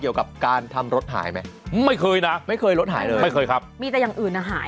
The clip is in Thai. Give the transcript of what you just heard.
เกี่ยวกับการทำรถหายไหมไม่เคยนะไม่เคยรถหายเลยไม่เคยครับมีแต่อย่างอื่นอ่ะหาย